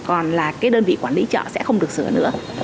còn đơn vị quản lý chợ sẽ không được sửa nữa